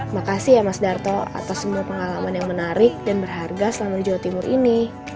makasih ya mas darto atas semua pengalaman yang menarik dan berharga selama di jawa timur ini